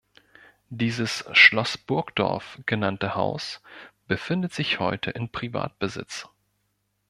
Dieses „Schloss Burgdorf“ genannte Haus befindet sich heute in Privatbesitz.